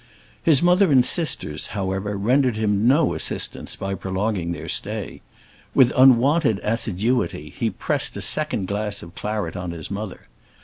His mother and sisters, however, rendered him no assistance by prolonging their stay. With unwonted assiduity he pressed a second glass of claret on his mother.